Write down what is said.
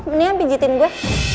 mendingan pijitin gue